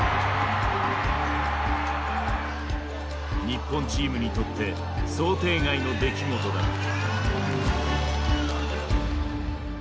日本チームにとって想定外の出来事だった。